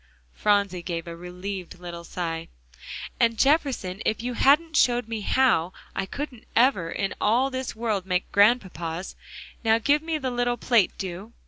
Phronsie gave a relieved little sigh. "And, Jefferson, if you hadn't showed me how, I couldn't ever in all this world make Grandpapa's. Now give me the little plate, do."